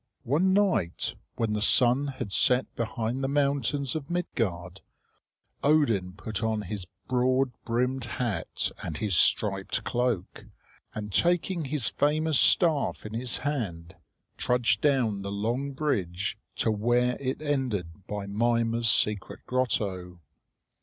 One night, when the sun had set behind the mountains of Midgard, Odin put on his broad brimmed hat and his striped cloak, and taking his famous staff in his hand, trudged down the long bridge to where it ended by Mimer's secret grotto.